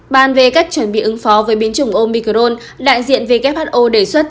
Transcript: bàn về cách chuẩn bị ứng phó với biến chủng omicron đại diện who đề xuất